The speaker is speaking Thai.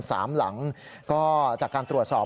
จำนวน๓หลังก็จากการตรวจสอบ